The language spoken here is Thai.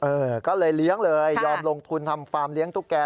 เออก็เลยเลี้ยงเลยยอมลงทุนทำฟาร์มเลี้ยตุ๊กแก